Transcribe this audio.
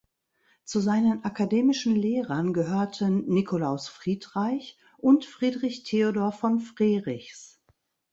Zu seinen akademischen Lehrern gehörten Nicolaus Friedreich und Friedrich Theodor von Frerichs.